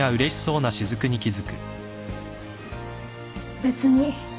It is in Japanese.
別に。